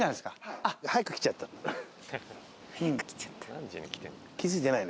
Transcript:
何時に来てんだ。